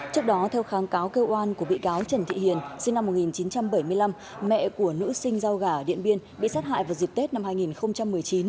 trước đó theo kháng cáo kêu oan của bị cáo trần thị hiền sinh năm một nghìn chín trăm bảy mươi năm mẹ của nữ sinh rau gà ở điện biên bị sát hại vào dịp tết năm hai nghìn một mươi chín